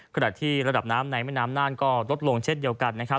ขณะที่ระดับน้ำในแม่น้ำน่านก็ลดลงเช่นเดียวกันนะครับ